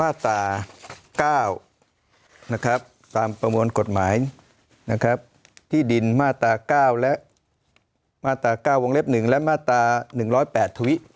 มาตรา๙ตามประมวลกฎหมายที่ดินมาตรา๙และมาตรา๑๐๘ถุงวิธี